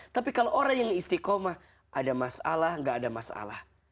tapi kalau orang yang istiqomah ada masalah gak ada masalah